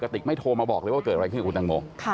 ติกไม่โทรมาบอกเลยว่าเกิดอะไรขึ้นกับคุณตังโม